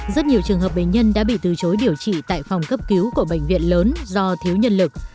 rất nhiều trường hợp bệnh nhân đã bị từ chối điều trị tại phòng cấp cứu của bệnh viện lớn do thiếu nhân lực